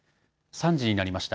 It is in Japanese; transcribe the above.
３時になりました。